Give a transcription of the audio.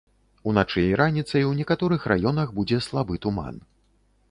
Уначы і раніцай у некаторых раёнах будзе слабы туман.